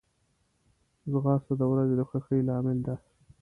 ځغاسته د ورځې د خوښۍ لامل ده